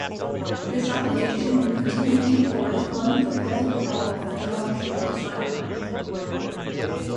This obligation will continue in force ones the present call for scholarships is finalized.